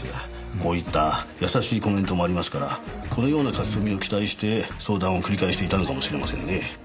こういった優しいコメントもありますからこのような書き込みを期待して相談を繰り返していたのかもしれませんね。